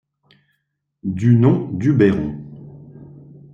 Du nom du Bairon.